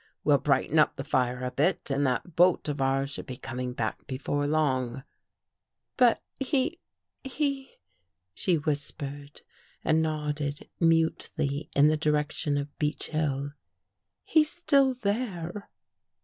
We'll brighten up the fire a bit and that boat of ours should be coming back before long." " But he — he," she whispered, and nodded mutely in the direction of Beech Hill. " He's still there."